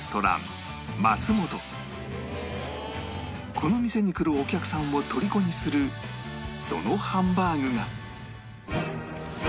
この店に来るお客さんをとりこにするそのハンバーグが